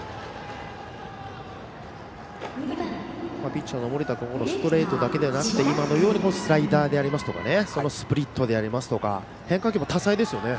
ピッチャーの森田君ストレートだけでなくて今のようにスライダーでありますとかスプリットでありますとか変化球も多彩ですよね。